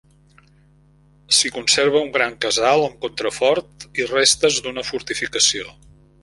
S'hi conserva un gran casal amb contrafort i restes d'una fortificació.